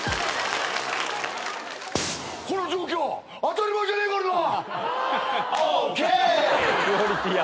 「この状況当たり前じゃねえからな！」ＯＫ！